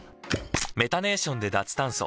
メタネーションで脱炭素。